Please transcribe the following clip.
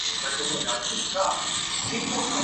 元朝打埋過西方